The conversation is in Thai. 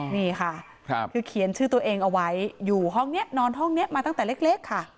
นี่ค่ะคือเขียนชื่อตัวเองเอาไว้อยู่ห้องนี้นอนห้องนี้มาตั้งแต่เล็กค่ะ